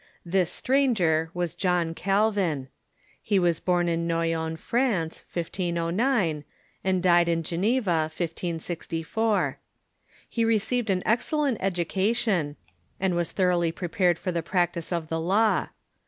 Ihis stranger was John Calvin. He was born in Noyon, France, 1509, and died in Geneva, 1564. He received an excellent education, and was thoroughly prepared for the practice of the law.